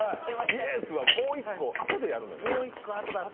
「イエス！」は、もう一個あとでやるのよ。